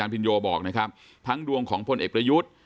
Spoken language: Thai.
อพิงโยบอกทั้งดวงของพลเอกประยุทธ์